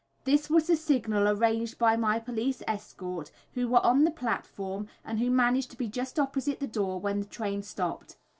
This was the signal arranged with my police escort, who were on the platform, and who managed to be just opposite the door when the train stopped.